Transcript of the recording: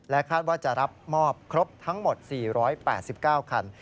คาดว่าจะรับมอบครบทั้งหมด๔๘๙คัน